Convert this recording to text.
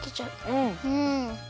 うん。